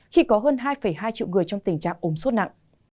khi có hơn hai hai triệu người trong tình trạng ồn sốt nặng